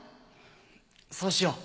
そうしよう。